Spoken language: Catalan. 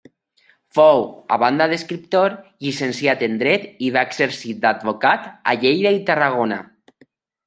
Fou, a banda d'escriptor, llicenciat en dret i va exercir d'advocat a Lleida i Tarragona.